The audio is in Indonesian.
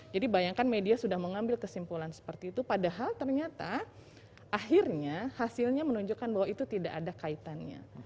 jadi bayangkan media sudah mengambil kesimpulan seperti itu padahal ternyata akhirnya hasilnya menunjukkan bahwa itu tidak ada kaitannya